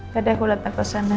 tadi aku lihat aku sana